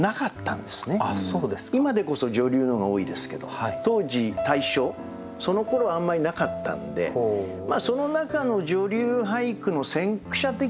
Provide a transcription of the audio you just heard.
今でこそ女流の方が多いですけど当時大正そのころあんまりなかったんでその中の女流俳句の先駆者的な意味もあってですね